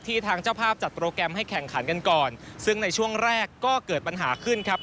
ทางเจ้าภาพจัดโปรแกรมให้แข่งขันกันก่อนซึ่งในช่วงแรกก็เกิดปัญหาขึ้นครับ